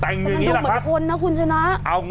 โอ้โหโอ้โห